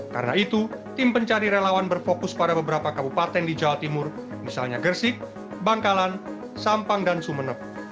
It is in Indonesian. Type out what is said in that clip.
karena itu tim pencari relawan berfokus pada beberapa kabupaten di jawa timur misalnya gersik bangkalan sampang dan sumeneb